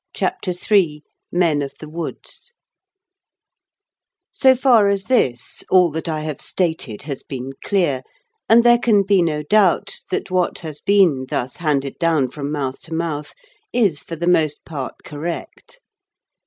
CHAPTER III MEN OF THE WOODS So far as this, all that I have stated has been clear, and there can be no doubt that what has been thus handed down from mouth to mouth is for the most part correct.